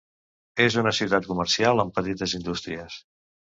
És una ciutat comercial amb petites indústries.